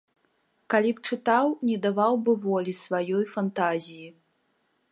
Калі б чытаў, не даваў бы волі сваёй фантазіі.